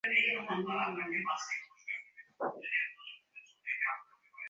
কিছুতেই মন থেকে তাড়াতে পারছেন না।